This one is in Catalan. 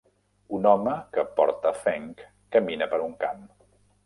Un home, que porta fenc, camina per un camp